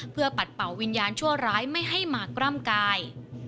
เพื่อปัดเป่าวิญญาณชั่วร้ายไม่ให้มากล้ำกาย